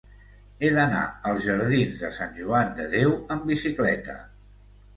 He d'anar als jardins de Sant Joan de Déu amb bicicleta.